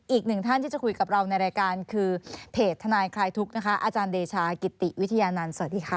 อีกหนึ่งท่านที่จะคุยกับเราในรายการคือเพจทนายคลายทุกข์นะคะอาจารย์เดชากิติวิทยานันต์สวัสดีค่ะ